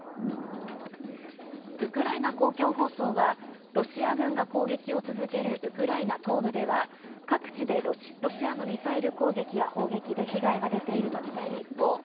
ウクライナ公共放送はロシア軍が攻撃を続けるウクライナ東部では、各地でロシアのミサイル攻撃や砲撃で被害が出ていると伝える一方